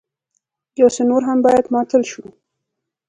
يو څه نور هم بايد ماتل شو.